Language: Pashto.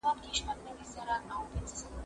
زه کولای سم منډه ووهم!؟